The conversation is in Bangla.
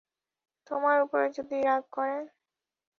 তােমার উপরে যদি রাগ করেন?